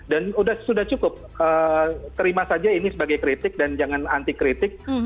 dan sudah cukup terima saja ini sebagai kritik dan jangan anti kritik